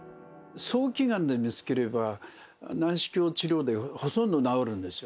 早期がんで見つければ、内視鏡治療でほとんど治るんですよ。